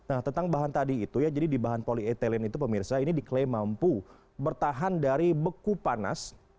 nah tentang bahan tadi itu ya jadi di bahan polyetelin itu pemirsa ini diklaim mampu bertahan dari beku panas